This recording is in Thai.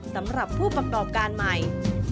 สำหรับผู้ประกอบการใหม่